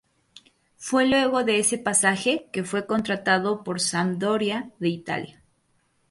Fue luego de ese pasaje, que fue contratado por Sampdoria de Italia.